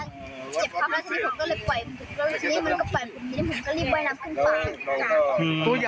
เจ็บครับแล้วทีนี้ผมก็เลยไป